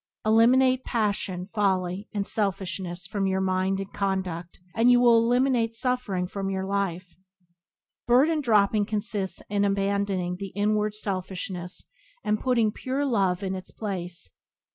Eliminate passion, folly and selfishness from your mind and conduct and you will eliminate suffering from your life. Burden dropping consists in abandoning the inward selfishness and putting pure love in its place.